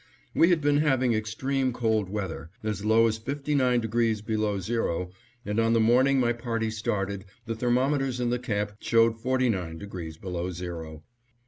We had been having extreme cold weather, as low as 59° below zero, and on the morning my party started the thermometers in the camp showed 49° below zero.